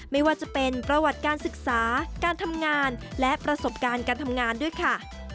ไม่ว่าจะเป็นประวัติการศึกษาการทำงานและประสบการณ์การทำงานด้วยค่ะ